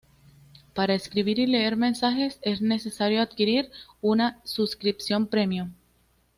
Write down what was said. Para escribir y leer mensajes es necesario adquirir una suscripción premium.